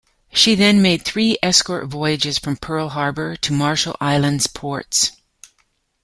She then made three escort voyages from Pearl Harbor to Marshall Islands ports.